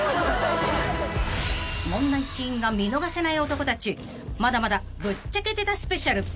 ［問題シーンが見逃せない男たちまだまだぶっちゃけてたスペシャル］